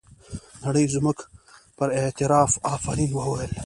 نړۍ زموږ پر اعتراف افرین وویل.